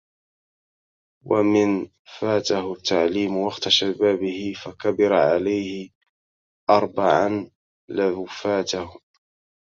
ومن فاته التعليم وقت شبابــه... فكبر عليه أربعا لوفاتــه